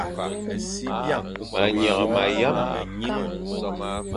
Ma nyeghe ma yam.